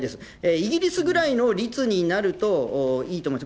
イギリスぐらいの率になると、いいと思います。